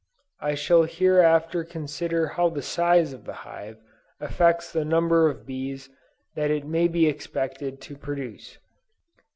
I shall hereafter consider how the size of the hive affects the number of bees that it may be expected to produce.